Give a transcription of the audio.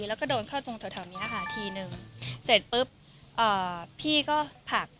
แล้วก็โดนเข้าตรงแถวแถวนี้ค่ะทีนึงเสร็จปุ๊บพี่ก็ผลัก